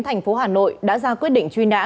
thành phố hà nội đã ra quyết định truy nã